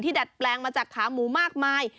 ดัดแปลงมาจากขาหมูมากมาย